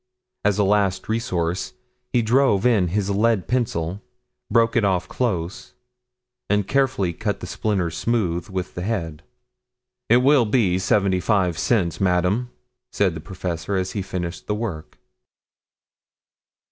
As a last resource he drove in his lead pencil, broke it off close, and carefully cut the splinters smooth with the head. "It will be seventy five cents, madam," said the professor as he finished the work.